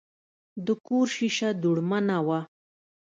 د کور شیشه دوړمنه وه.